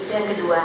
itu yang kedua